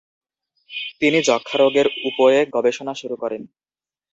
তিনি যক্ষ্মারোগের উপরে গবেষণা শুরু করেন।